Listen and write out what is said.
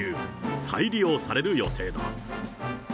再利用される予定だ。